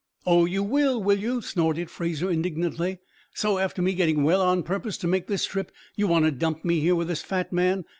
"Oh, you will, will you?" snorted Fraser, indignantly. "So, after me getting well on purpose to make this trip, you want to dump me here with this fat man.